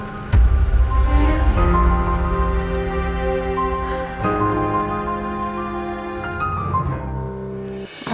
tidak ada apa apa